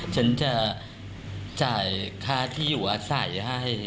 ฉันจะจ่ายค่าที่อยู่อาศัยให้